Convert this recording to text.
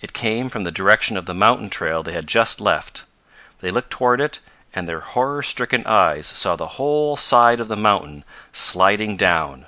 It came from the direction of the mountain trail they had just left. They looked toward it and their horror stricken eyes saw the whole side of the mountain sliding down.